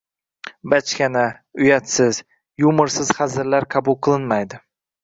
- Bachkana, uyatsiz, yumorsiz hazillar qabul qilinmaydi!